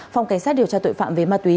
phòng cảnh sát điều tra tội phạm về ma túy